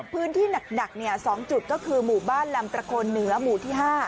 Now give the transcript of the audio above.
พื้นที่หนัก๒จุดก็คือหมู่บ้านลำประโคนเหนือหมู่ที่๕